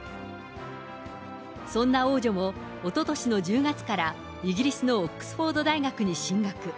そんな王女もおととしの１０月から、イギリスのオックスフォード大学に進学。